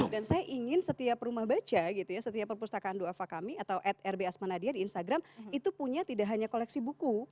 dan saya ingin setiap rumah baca gitu ya setiap perpustakaan doa fakami atau at rbasmanadia di instagram itu punya tidak hanya koleksi buku